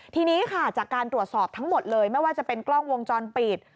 ทีนี้ค่ะจากการตรวจสอบทั้งหมดเลยไม่ว่าจะเป็นกล้องวงจรปิด